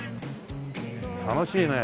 楽しいね。